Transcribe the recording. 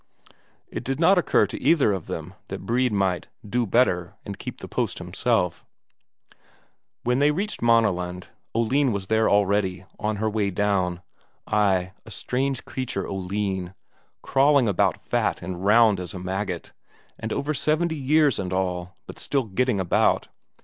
It did not occur to either of them that Brede might "do better" and keep the post himself. When they reached Maaneland, Oline was there already, on her way down. Ay, a strange creature, Oline, crawling about fat and round as a maggot, and over seventy years and all, but still getting about.